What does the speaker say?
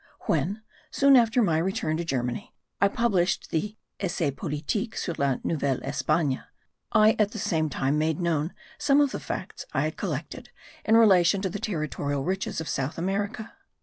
When, soon after my return to Germany, I published the Essai Politique sur la Nouvelle Espagne, I at the same time made known some of the facts I had collected in relation to the territorial riches of South America.